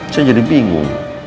saya jadi bingung